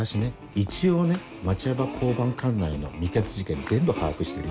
一応ね町山交番管内の未決事件全部把握してるよ。